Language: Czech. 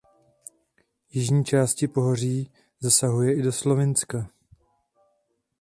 Jižní části pohoří zasahuje i do Slovinska.